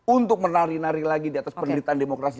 untuk menari nari lagi di atas penderitaan demokrati ini